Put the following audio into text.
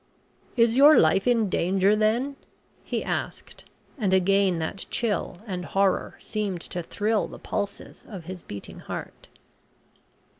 "Is your life in danger, then?" he asked, and again that chill and horror seemed to thrill the pulses of his beating heart.